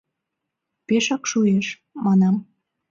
«Пешак шуэш», — манам.